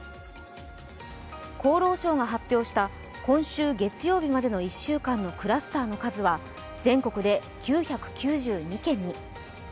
厚労省が発表した今週月曜日までのクラスターの数は、全国で９９２件に。